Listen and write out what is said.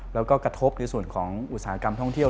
แล้วก็กระทบในส่วนของอุตสาหกรรมท่องเที่ยว